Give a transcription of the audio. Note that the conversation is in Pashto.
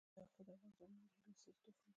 یاقوت د افغان ځوانانو د هیلو استازیتوب کوي.